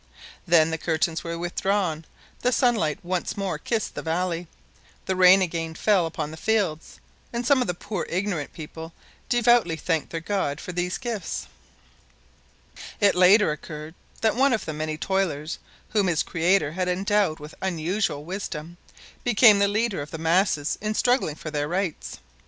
Then the curtains were withdrawn, the sunlight once more kissed the valley, the rain again fell upon the fields, and some of the poor, ignorant people devoutly thanked their God for these gifts. [Illustration: Monopolizing Light and Rain on Mars.] It occurred later that one of the many toilers, whom his Creator had endowed with unusual wisdom, became the leader of the masses in struggling for their rights.